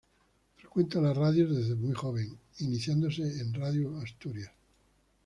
Frecuenta la radio desde muy joven, iniciándose en Radio Asturias.